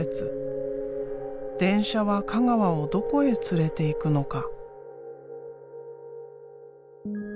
電車は香川をどこへ連れていくのか？